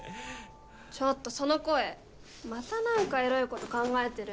ちょっとその声また何かエロいこと考えてる？